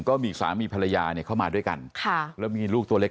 ก็มีสามีภรรยาเนี่ยเข้ามาด้วยกันค่ะแล้วมีลูกตัวเล็ก